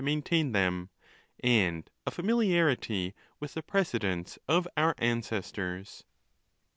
maintain them; and a familiarity with the precedents of our ancestors.